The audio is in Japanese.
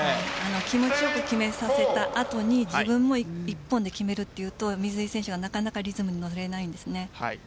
気持ちよく決めさせた後に自分も１本で決めるというと水井選手はなかなかリズムに乗れないですね。